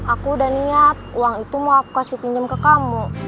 aku udah niat uang itu mau aku kasih pinjam ke kamu